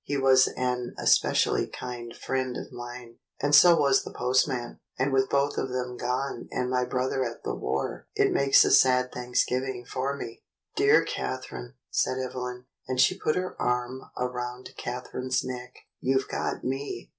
"He was an especially kind friend of mine, and so was the postman, and with both of them gone and my brother at the war it makes a sad Thanksgiving for me." "Dear Catherine," said Evelyn, and she put her arm around Catherine's neck, "you've got me."